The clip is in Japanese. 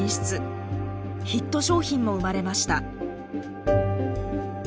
ヒット商品も生まれました。